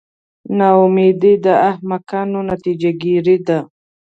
نا امیدي د احمقانو نتیجه ګیري ده.